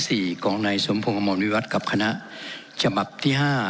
สี่ของนายสภงอมวณวิราตกับคณะจบับที่ห้า